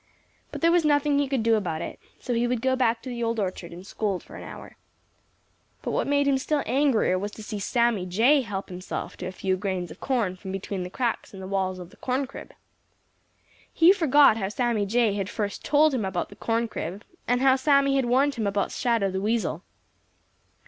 But there was nothing he could do about it, so he would go back to the Old Orchard and scold for an hour. But what made him still angrier was to see Sammy Jay help himself to a few grains of corn from between the cracks in the walls of the corn crib. He forgot how Sammy had first told him about the corn crib, and how Sammy had warned him about Shadow the Weasel.